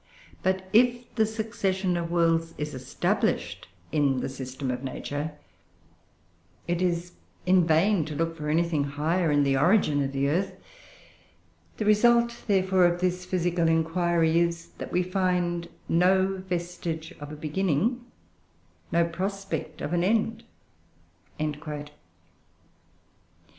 But if the succession of worlds is established in the system of nature, it is in vain to look for anything higher in the origin of the earth. The result, therefore, of this physical inquiry is, that we find no vestige of a beginning, no prospect of an end." [Footnote 5: Ibid., vol. i. p.